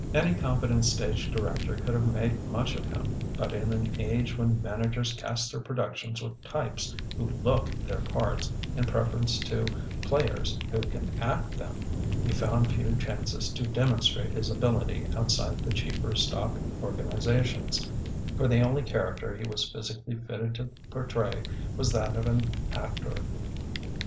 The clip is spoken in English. Any competent stage director could have made much of him; but in an age when managers cast their productions with types who "look" their parts in preference to players who can act them, he found few chances to demonstrate his ability outside the cheaper stock organizations; for the only character he was physically fitted to portray was that of an actor.